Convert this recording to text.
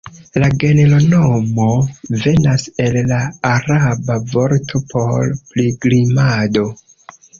La genronomo venas el la araba vorto por "pilgrimado".